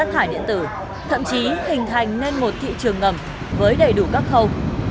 thậm chí hình thành nên một thị trường ngầm với đầy đủ các khâu